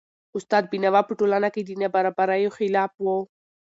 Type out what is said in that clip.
استاد بینوا په ټولنه کي د نابرابریو خلاف و .